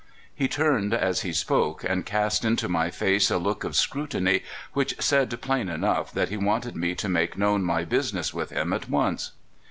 He turned as he spoke, and cast into my face a look of scrutiny which said plain enough that he wanted me to make known my business with him at once.